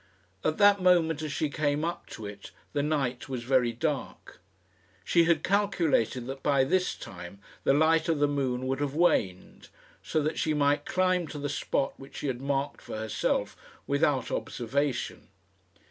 At that moment, as she came up to it, the night was very dark. She had calculated that by this time the light of the moon would have waned, so that she might climb to the spot which she had marked for herself without observation.